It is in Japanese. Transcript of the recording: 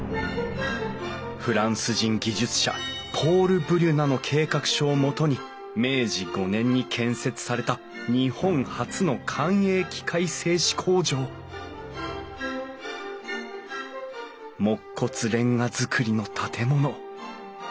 フランス人技術者ポール・ブリュナの計画書をもとに明治５年に建設された日本初の官営器械製糸工場木骨レンガ造りの建物。